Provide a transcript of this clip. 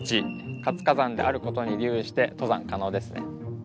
活火山であることに留意して登山可能ですね。